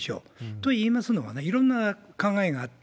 といいますのはね、いろんな考えがあった。